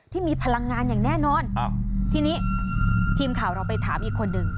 ที่มีพลังงานอย่างแน่นอนทีนี้ทีมข่าวเราไปถามอีกคนนึง